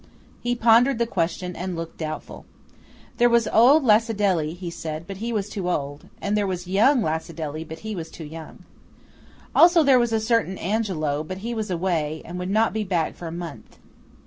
He pondered the question, and looked doubtful. There was old Lacedelli, he said, but he was too old; and there was young Lacedelli, but he was too young. Also there was a certain Angelo, but he was away, and would not be back for a month.